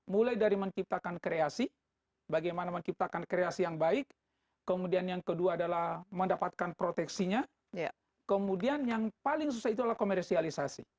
mulai dari menciptakan kreasi bagaimana menciptakan kreasi yang baik kemudian yang kedua adalah mendapatkan proteksinya kemudian yang paling susah itu adalah komersialisasi